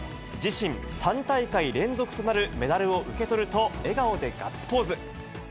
自身３大会連続となるメダルを受け取ると、笑顔でガッツポーズ。